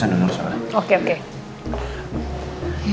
kalau begitu ella yang niblah